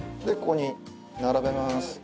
でここに並べます。